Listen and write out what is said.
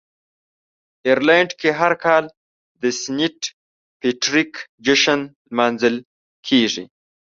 آیرلنډ کې هر کال د "سینټ پیټریک" جشن لمانځل کیږي.